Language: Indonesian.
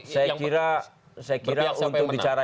saya kira untuk bicara